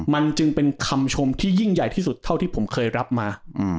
มันจึงเป็นคำชมที่ยิ่งใหญ่ที่สุดเท่าที่ผมเคยรับมา